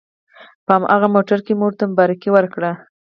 په هماغه موټر کې مو ورته مبارکي ورکړه.